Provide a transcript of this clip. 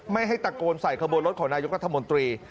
ไม่ให้ตะโกนใส่ขบวนรถของนายกรัฐมนตรี